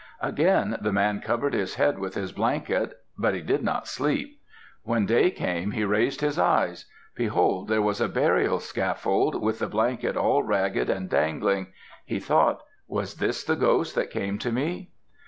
Again the man covered his head with his blanket but he did not sleep. When day came, he raised his eyes. Behold, there was a burial scaffold, with the blankets all ragged and dangling. He thought, "Was this the ghost that came to me?"